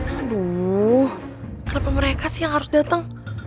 aduh kenapa mereka sih yang harus datang